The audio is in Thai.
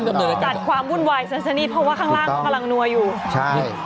พิธีกรบนเวทีก็ต้องจัดความวุ่นวายสักนิดเพราะว่าข้างล่างกำลังนัวอยู่